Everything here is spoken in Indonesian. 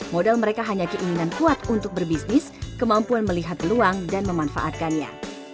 modal mereka hanya keinginan kuat untuk berbisnis kemampuan melihat peluang dan memanfaatkannya